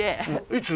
いつ？